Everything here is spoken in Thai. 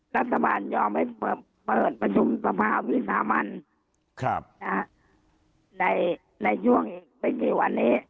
รัฐบาลยอมให้เปิดประชุมสภาพีศาบันครับนะในช่วงอีกไม่กี่วันนี้